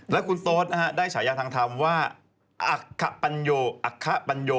แล้วคุณโฟธด้วยชายาทางธรรมว่าอัคฮปันะโยอัคฮปันะโย